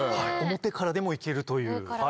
表からでもいけるという。